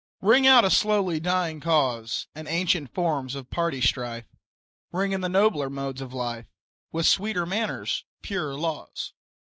Ring out a slowly dying cause, And ancient forms of party strife; Ring in the nobler modes of life, With sweeter manners, purer laws.